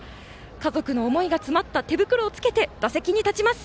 家族の思いが詰まった手袋を着けて打席に立ちます。